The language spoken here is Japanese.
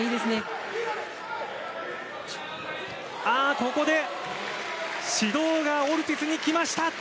ここで指導がオルティスに来ました！